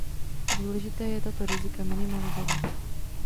Důležité je tato rizika minimalizovat.